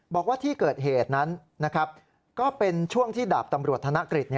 บอกว่าที่เกิดเหตุนั้นก็เป็นช่วงที่ดาบตำรวจธนกฤษ